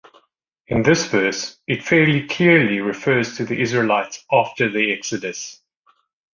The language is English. In this verse it fairly clearly refers to the Israelites after the Exodus.